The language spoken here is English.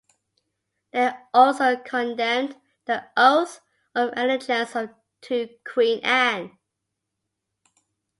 They also condemned the oath of allegiance to Queen Anne.